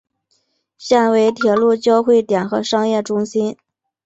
现为铁路交会点和商业中心。